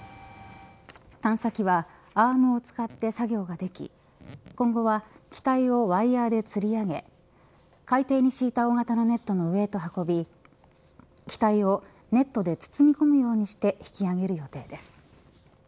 探査機はアームを使って作業ができ今後は機体をワイヤーで吊り上げ海底にしいた大型のネットの上へ運び機体をネットで包み込むようにして引き揚げる予定です。